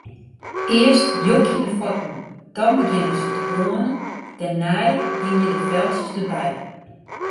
Earst jokje de fuotten, dan begjinne se te brânen, dêrnei hingje de feltsjes derby.